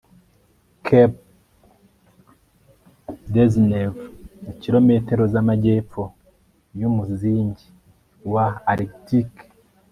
cape dezhnev ni kilometero zamajyepfo yumuzingi wa arctique